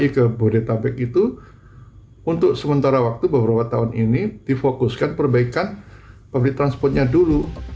kami memfokuskan perbaikan transportasi umum